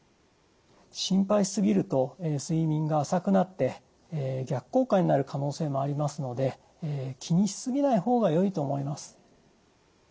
心配しすぎると睡眠が浅くなって逆効果になる可能性もありますので気にしすぎないほうが良いと思います。